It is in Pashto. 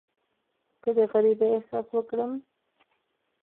که د غریبۍ احساس وکړم.